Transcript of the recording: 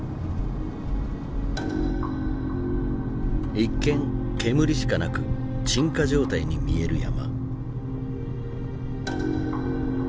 一見煙しかなく鎮火状態に見える山。